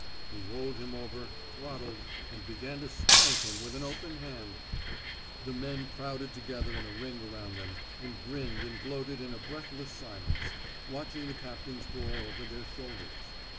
*' He rolled him over, throt tled, and began to spank him with an open hand. 269 THE SMOKE EATERS The men crowded together in a ring around them, and grinned and gloated in a breath less silence, watching the captain's door over their shoulders.